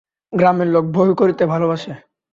গ্রামের লোক ভয় করিতে ভালোবাসে।